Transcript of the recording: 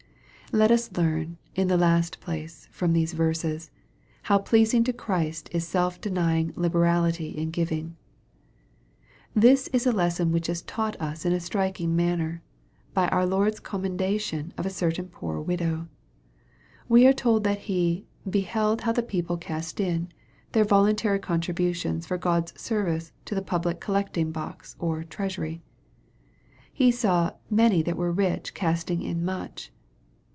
Let us learn, in the last place, from these verses, how pleasing to Christ is self denying liberality in giving. This is a lesson which is taught us in a striking" manner, by our Lord's commendation of a certain poor widow. We are told that He " beheld how the people cast in" their voluntary contributions for God's service into the public collecting box or " treasury." He saw " many that were rich casting in much."